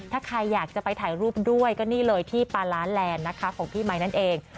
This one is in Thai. ถ้าใครอยากจะไปถ่ายรูปด้วยก็นี่เลยที่ปาลาแลนด์นะคะของพี่ไมค์นั่นเอง